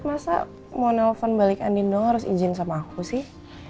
masa mau telepon balik andien dong harus izin sama aku sih